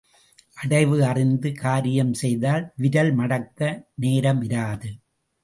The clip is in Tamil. அடைவு அறிந்து காரியம் செய்தால் விரல் மடக்க நேரம் இராது.